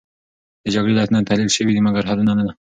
د جګړې علتونه تحلیل شوې دي، مګر حلونه نه.